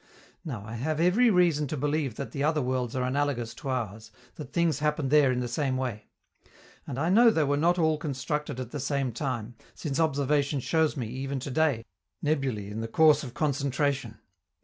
Now, I have every reason to believe that the other worlds are analogous to ours, that things happen there in the same way. And I know they were not all constructed at the same time, since observation shows me, even to day, nebulae in course of concentration.